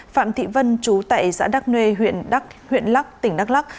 phạm thị vân chú tại xã đắc nhuê huyện lắc tỉnh đắc lắc